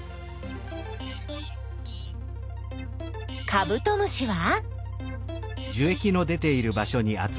カブトムシは？